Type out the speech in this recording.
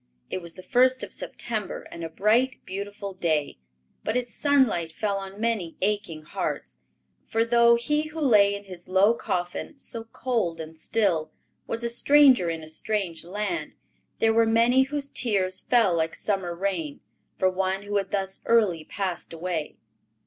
It was the 1st of September, and a bright, beautiful day; but its sunlight fell on many aching hearts, for though he who lay in his low coffin, so cold and still, was a "stranger in a strange land," there were many whose tears fell like summer rain for one who had thus early passed away.